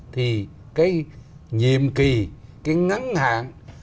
thì cái nhiệm kỳ cái ngắn hạn